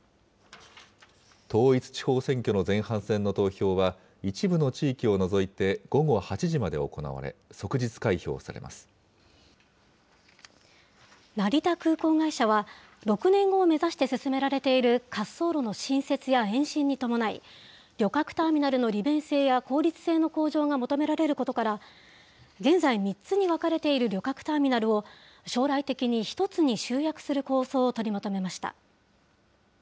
統一地方選挙の前半戦の投票は、一部の地域を除いて午後８時まで行われ、成田空港会社は、６年後を目指して進められている滑走路の新設や延伸に伴い、旅客ターミナルの利便性や効率性の向上が求められることから、現在３つに分かれている旅客ターミナルを、将来的に１つに集約する構想を取りまとめました。